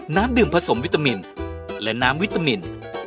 น้ำดื่มผสมวิตามินและน้ำวิตามิน